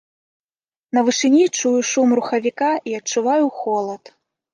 На вышыні чую шум рухавіка і адчуваю холад.